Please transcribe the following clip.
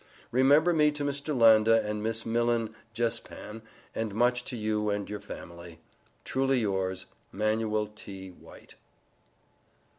Remember me to Mr. Landa and Miss Millen Jespan, and much to you and your family. Truly Yours, MANUAL T. WHITE.